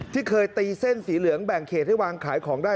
ที่เคยตีเส้นสีเหลืองแบ่งเขตให้วางขายของได้